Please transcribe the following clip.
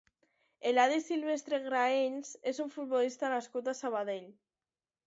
Eladi Silvestre Graells és un futbolista nascut a Sabadell.